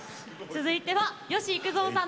続いては吉幾三さん